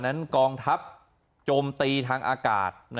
กองทัพโจมตีทางอากาศ